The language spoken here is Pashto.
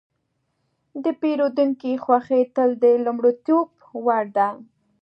د پیرودونکي خوښي تل د لومړیتوب وړ ده.